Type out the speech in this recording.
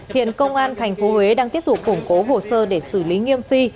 hiện công an thành phố huế đang tiếp tục củng cố hồ sơ để xử lý nghiêm phi